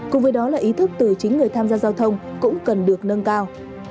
cùng với đó là ý thức từ chính người tham gia giao thông cũng cần được nâng cao